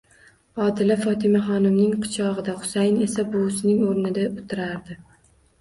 Odila Fotimaxonimning kuchog'ida, Husayin esa buvisining o'rnida o'tirardi.